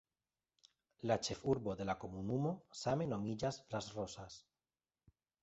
La ĉefurbo de la komunumo same nomiĝas Las Rosas.